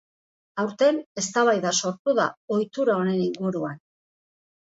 Aurten eztabaida sortu da ohitura honen inguruan.